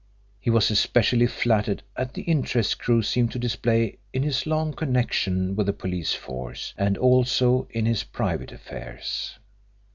He was especially flattered at the interest Crewe seemed to display in his long connection with the police force, and also in his private affairs.